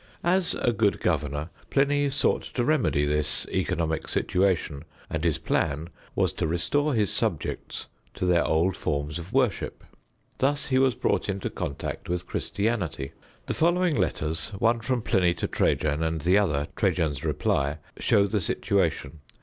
As a good governor, Pliny sought to remedy this economic situation, and his plan was to restore his subjects to their old forms of worship. Thus he was brought into contact with Christianity. The following letters, one from Pliny to Trajan, and the other, Trajan's reply, show the situation.